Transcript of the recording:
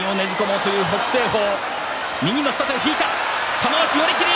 玉鷲、寄り切り